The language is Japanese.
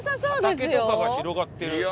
畑とかが広がってる。